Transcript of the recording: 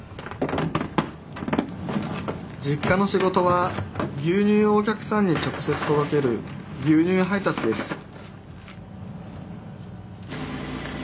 実家の仕事は牛乳をお客さんに直接とどける牛乳配達です